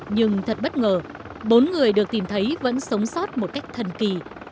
nhưng thật bất ngờ bốn người được tìm thấy vẫn sống sót một cách thần kỳ